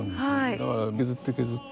だから削って削って。